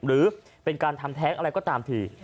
หรือเป็นการทำแท้งอะไรก็ตามที